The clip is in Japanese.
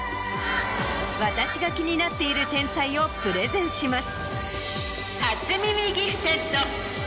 私が気になっている天才をプレゼンします。